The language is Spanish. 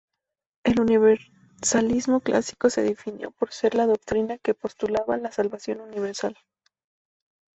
El universalismo clásico se definió por ser una doctrina que postulaba la salvación universal.